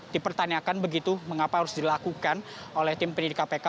dipertanyakan begitu mengapa harus dilakukan oleh tim pendidik kpk